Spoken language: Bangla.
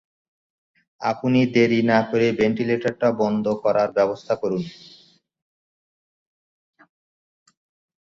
আপনি দেরি না করে ভেন্টিলেটারটা বন্ধ করার ব্যবস্থা করুন।